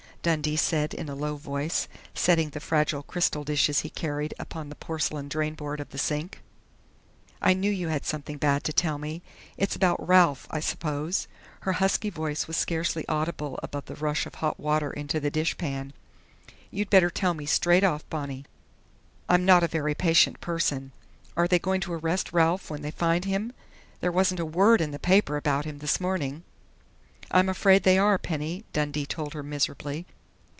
Dundee said in a low voice, setting the fragile crystal dishes he carried upon the porcelain drainboard of the sink. "I knew you had something bad to tell me.... It's about Ralph, I suppose?" Her husky voice was scarcely audible above the rush of hot water into the dishpan. "You'd better tell me straight off, Bonnie. I'm not a very patient person.... Are they going to arrest Ralph when they find him? There wasn't a word in the paper about him this morning " "I'm afraid they are, Penny," Dundee told her miserably.